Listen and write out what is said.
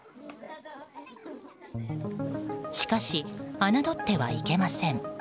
しかし、侮ってはいけません。